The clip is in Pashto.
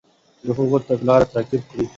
د هغوی تګلارې تعقیب کړئ.